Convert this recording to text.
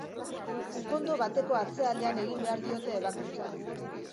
Ukondo bateko atzealdean egin behar diote ebakuntza.